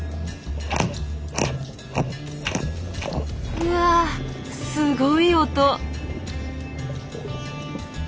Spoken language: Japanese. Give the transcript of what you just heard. うわすごい音！